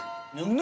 何？